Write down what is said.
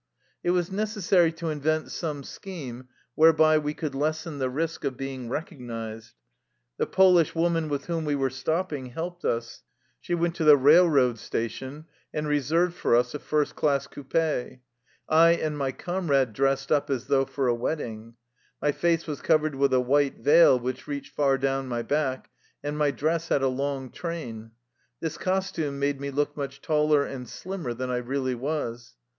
It was necessary to invent some scheme whereby we could lessen the risk of being recog nized. The Polish woman with whom we were stopping helped us. She went to the railroad station and reserved for us a first class coupe. I and my comrade dressed up as though for a wedding. My face was covered with a white veil which reached far down my back, and my dress had a long train. This costume made me look much taller and slimmer than I really was.